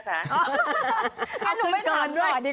เอ้ายยให้คุณแม่โวยพรอหน่อยค่า